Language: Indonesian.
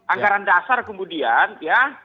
anggaran dasar kemudian ya